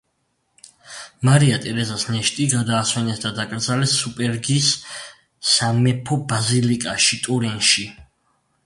მარია ტერეზას ნეშტი გადაასვენეს და დაკრძალეს სუპერგის სამეფო ბაზილიკაში, ტურინში.